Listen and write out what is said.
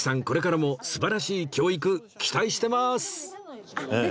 これからも素晴らしい教育期待してます！